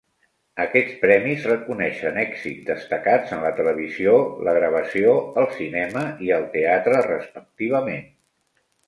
Aquests premis reconeixen èxits destacats en la televisió, la gravació, el cinema i el teatre respectivament.